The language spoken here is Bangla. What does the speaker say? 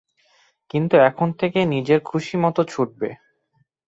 কিন্তু এখন থেকে, নিজের খুশি মতো ছুটবে।